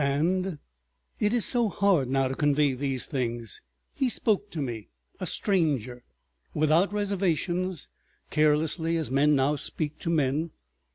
And—it is so hard now to convey these things—he spoke to me, a stranger, without reservations, carelessly, as men now speak to men.